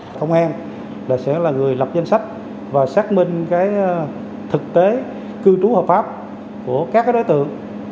công an sẽ là người lập danh sách và xác minh thực tế cư trú hợp pháp của các đối tượng